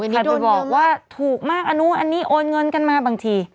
ถ้าโดนบอกว่าถูกมากอันนู้นอันนี้โอนเงินกันมาบางที